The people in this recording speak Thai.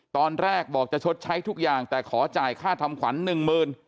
ตอนแรกบอกจะชดใช้ทุกอย่างแต่ขอจ่ายค่าทำขวัญหนึ่งหมื่น